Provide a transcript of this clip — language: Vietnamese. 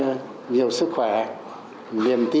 nhiệm tin nhiều sức khỏe nhiều sức khỏe